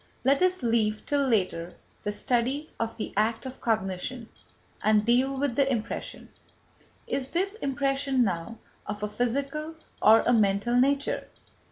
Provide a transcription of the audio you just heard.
Let us leave till later the study of the act of cognition, and deal with the impression. Is this impression now of a physical or a mental nature?